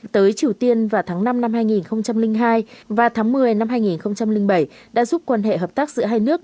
tới triều tiên vào tháng năm năm hai nghìn hai và tháng một mươi năm hai nghìn bảy đã giúp quan hệ hợp tác giữa hai nước